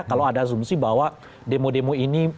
kalau ada asumsi bahwa demo demo ini